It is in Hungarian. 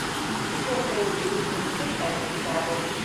Dicsérte őt Déryné és Egressy Gábor is.